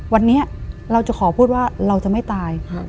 วันนี้เราจะขอพูดว่าเราจะไม่ตาย